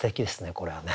これはね。